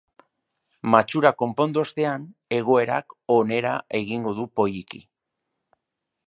Matxura konpondu ostean, egoerak onera egingo du poliki.